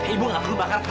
ibu enggak perlu bakar